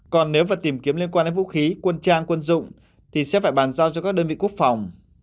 còn nếu và tìm kiếm liên quan đến vũ khí quân trang quân dụng thì sẽ phải bàn giao cho các đơn vị quốc phòng